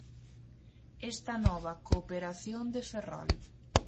Esta nova cooperación de Ferrol.